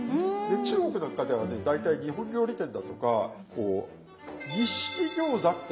中国なんかではね大体日本料理店だとかこう「日式餃子」ってね書いてんですよ。